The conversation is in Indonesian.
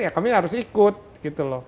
ya kami harus ikut gitu loh